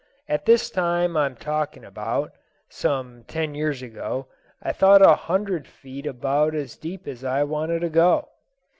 At this time I'm talking about (some ten years ago) I thought a hundred feet about as deep as I wanted to go.